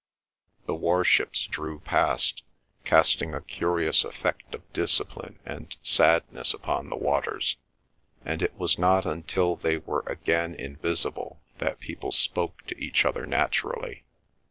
The warships drew past, casting a curious effect of discipline and sadness upon the waters, and it was not until they were again invisible that people spoke to each other naturally.